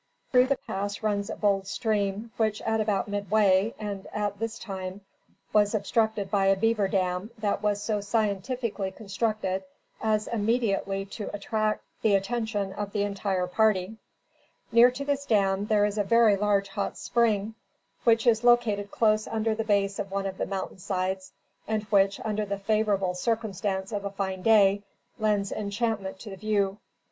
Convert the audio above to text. Through the pass runs a bold stream, which, at about midway (and at this time) was obstructed by a beaver dam, that was so scientifically constructed as immediately to attract the attention of the entire party. Near to this dam, there is a very large hot spring, which is located close under the base of one of the mountain sides, and which, under the favorable circumstance of a fine day, lends enchantment to the view.